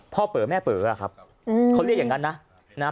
พ่อเป๋อแม่เป๋ออะครับเขาเรียกอย่างนั้นนะ